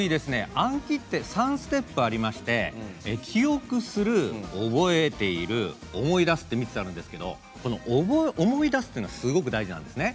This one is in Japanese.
暗記って３ステップありまして記憶する、覚えている思い出すって３つあるんですけど思い出すっていうのがすごく大事なんですね。